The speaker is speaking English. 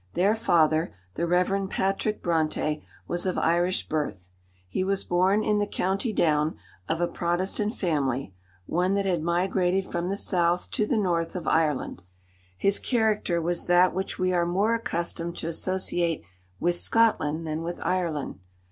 Their father, the Rev. Patrick Brontë, was of Irish birth. He was born in the County Down, of a Protestant family—one that had migrated from the south to the north of Ireland. His character was that which we are more accustomed to associate with Scotland than with Ireland.